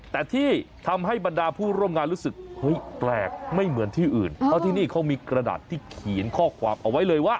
แต่ที่ทำให้บรรดาผู้ร่วมงานรู้สึกเฮ้ยแปลกไม่เหมือนที่อื่นเพราะที่นี่เขามีกระดาษที่เขียนข้อความเอาไว้เลยว่า